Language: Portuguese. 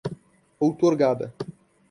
outorgada